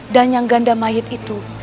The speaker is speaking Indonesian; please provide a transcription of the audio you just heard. dan yang mengandam ayu itu